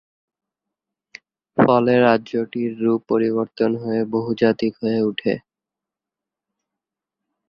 ফলে রাজ্যটির রূপ পরিবর্তন হয়ে বহুজাতিক হয়ে উঠে।